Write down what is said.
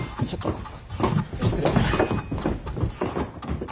失礼。